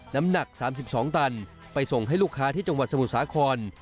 น้ำหนัก๓๒ตันไปส่งให้ลูกค้าที่จังหวัดสมุทรสาคร